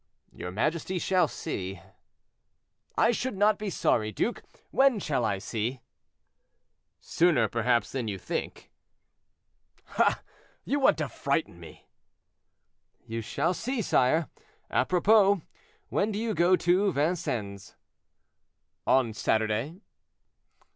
"Your majesty shall see." "I should not be sorry, duke; when shall I see?" "Sooner perhaps than you think." "Ah! you want to frighten me." "You shall see, sire. Apropos, when do you go to Vincennes?" "On Saturday."